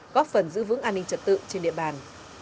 góp phần giữ vững an ninh trật tự trên địa bàn